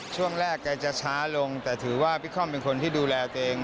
ช่วงแรกแกจะช้าลงแต่ถือว่าพี่ค่อมเป็นคนที่ดูแลตัวเอง